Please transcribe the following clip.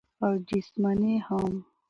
او جسماني هم -